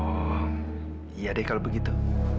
oh iya deh kalau begitu